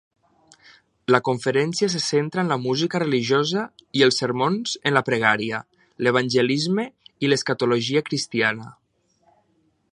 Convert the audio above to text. La conferencia se centra en la música religiosa i els sermons en la pregària, l'evangelisme i l'escatologia cristiana.